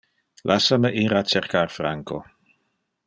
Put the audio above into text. Lassa me ir a cercar Franco.